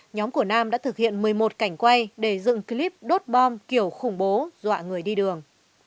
nhóm của nam đã thực hiện một mươi một cảnh quay để dựng clip đốt bom kiểu khủng bố dọa người đi đường